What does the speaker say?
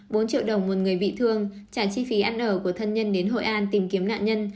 bốn triệu đồng một người bị thương trả chi phí ăn ở của thân nhân đến hội an tìm kiếm nạn nhân